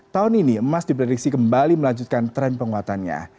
tahun ini emas diprediksi kembali melanjutkan tren penguatannya